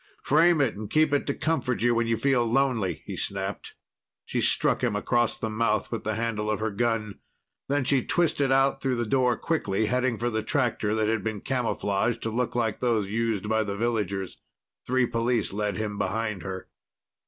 Frame it and keep it to comfort you when you feel lonely," he snapped. She struck him across the mouth with the handle of her gun. Then she twisted out through the door quickly, heading for the tractor that had been camouflaged to look like those used by the villagers. The three police led him behind her.